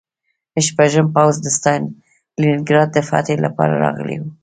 شپږم پوځ د ستالینګراډ د فتحې لپاره راغلی و